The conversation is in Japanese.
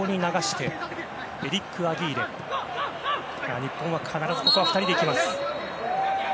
日本は必ずここは２人でいきます。